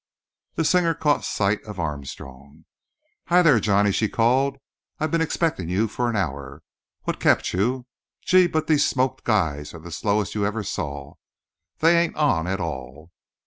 The singer caught sight of Armstrong. "Hi! there, Johnny," she called; "I've been expecting you for an hour. What kept you? Gee! but these smoked guys are the slowest you ever saw. They ain't on, at all.